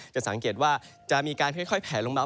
จะสังเกตว่าจะมีการค่อยแผลลงมา